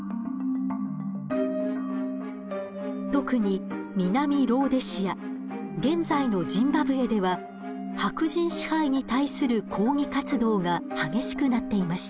特に南ローデシア現在のジンバブエでは白人支配に対する抗議活動が激しくなっていました。